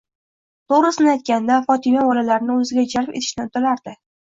To'g'risini aytganda, Fotima bolalarni o'ziga jalb etishni uddalardi.